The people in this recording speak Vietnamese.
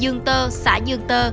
dương tơ xã dương tơ